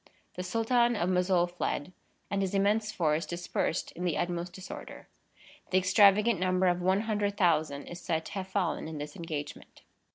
The Sultan of Mossoul fled, and his immense force dispersed in the utmost disorder. The extravagant number of 100,000 is said to have fallen in this engagement.